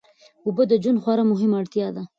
اوبه د ژوند خورا مهمه اړتیا ده.